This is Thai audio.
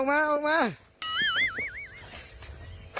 เขาง่ำเหรอ